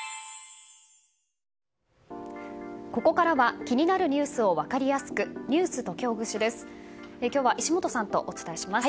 ここからは気になるニュースを分かりやすくｎｅｗｓときほぐしです。